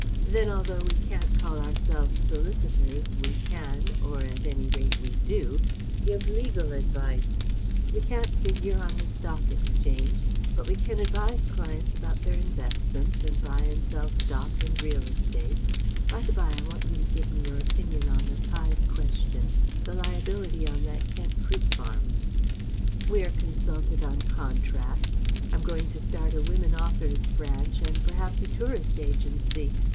Then although we can't call ourselves Solicitors we can or at any rate we do give legal advice. We can't figure on the Stock Exchange, but we can advise clients about their investments and buy and sell stock and real estate (By the bye I want you to give me your opinion on the tithe question, the liability on that Kent fruit farm). We are consulted on contracts ... I'm going to start a women authors' branch, and perhaps a tourist agency.